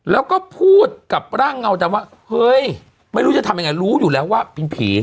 แล้วก็พูดกับร่างเงาดำว่าเฮ้ยไม่รู้จะทำยังไงรู้อยู่แล้วว่าเป็นผี